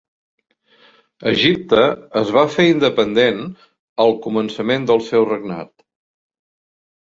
Egipte es va fer independent al començament del seu regnat.